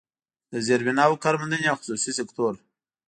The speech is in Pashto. د زيربناوو، کارموندنې او خصوصي سکتور